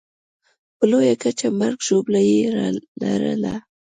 په لویه کچه مرګ ژوبله یې لرله.